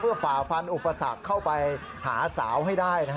ฝ่าฟันอุปสรรคเข้าไปหาสาวให้ได้